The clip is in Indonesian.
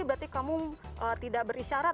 berarti kamu tidak berisyarat